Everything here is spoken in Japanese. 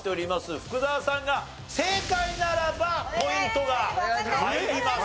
福澤さんが正解ならばポイントが入ります。